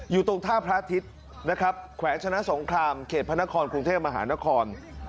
อยู่ตรงท่าพระอาทิตย์นะครับแขวนชนะสงครามเขตพระนครกรุงเทพมหานคร